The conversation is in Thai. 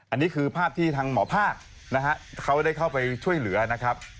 อันนี้คือภาพที่ทางหมอภาคนะฮะเขาได้เข้าไปช่วยเหลือนะครับ